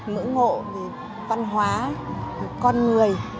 ngưỡng mộ về văn hóa về con người